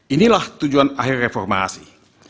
inilah tujuan akhir reformasi